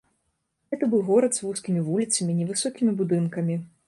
Гэта быў горад з вузкімі вуліцамі, невысокімі будынкамі.